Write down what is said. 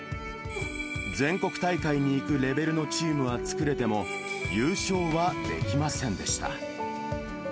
全国大会に行くレベルのチームは作れても、優勝はできませんでした。